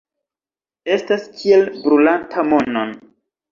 Estas kiel brulanta monon.